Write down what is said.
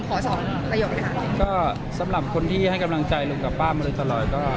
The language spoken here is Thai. ขอสองประโยคเลยค่ะก็สำหรับคนที่ให้กำลังใจลุงกับป้ามาโดยตลอดก็